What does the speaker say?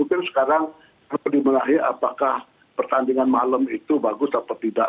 mungkin sekarang perlu dibenahi apakah pertandingan malam itu bagus atau tidak